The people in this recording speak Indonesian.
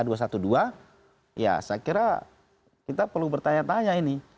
ya saya kira kita perlu bertanya tanya ini